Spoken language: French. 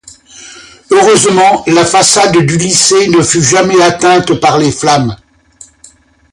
Heureusement, la façade du lycée ne fut jamais atteinte par les flammes.